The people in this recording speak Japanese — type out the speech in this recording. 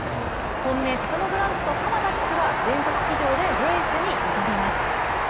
本命サトノグランツと川田騎手は継続騎乗でレースに臨みます。